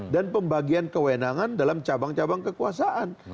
dan pembagian kewenangan dalam cabang cabang kekuasaan